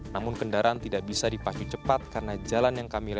namun kendaraan tidak bisa dipacu cepat karena jalan yang kami lakukan